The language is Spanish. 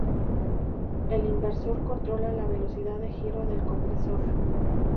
El inversor controla la velocidad de giro del compresor.